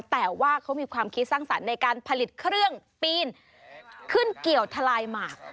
แต่ว่าเขามีความคิดสร้างสรรค์ในการผลิตเครื่องปีนขึ้นเกี่ยวทะลายหมาก